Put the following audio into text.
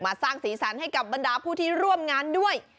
สร้างสีสันให้กับบรรดาผู้ที่ร่วมงานด้วย